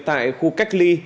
tại khu cách ly